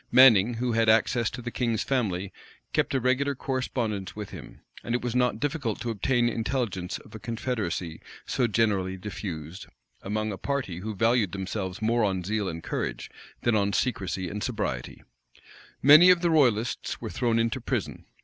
Manning, who had access to the king's family, kept a regular correspondence with him; and it was not difficult to obtain intelligence of a confederacy so generally diffused, among a party who valued themselves more on zeal and courage, than on secrecy and sobriety Many of the royalists were thrown into prison.